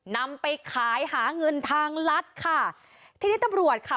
นำไปขายหาเงินทางรัฐค่ะทีนี้ตำรวจค่ะ